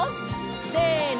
せの！